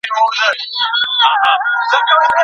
مه پرېږدئ چي سیاسي واک د شخصي ګټو لپاره وکارول سي.